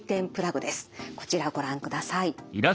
こちらご覧ください。